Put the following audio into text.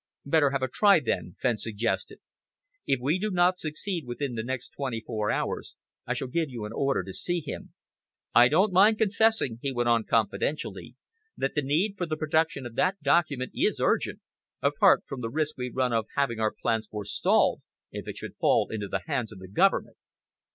"Better have a try, then," Fenn suggested. "If we do not succeed within the next twenty four hours, I shall give you an order to see him. I don't mind confessing," he went on confidentially, "that the need for the production of that document is urgent, apart from the risk we run of having our plans forestalled if it should fall into the hands of the Government."